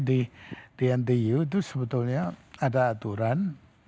di dtu itu sebetulnya ada aturan